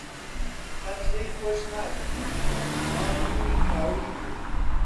قەت لێی خۆش نابم، ماڵی منی کاول کرد.